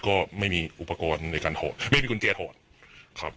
ก็ไม่มีอุปกรณ์ในการถอดไม่มีกุญแจถอดครับ